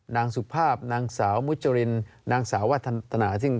นางสุภาพนางสาวมุจรินนางสาววัฒนนาซึ่ง